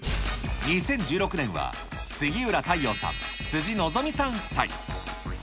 ２０１６年は、杉浦太陽さん、辻希美さん夫妻。